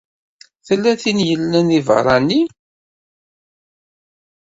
Tella tin i yellan di beṛṛa-nni.